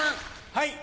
はい。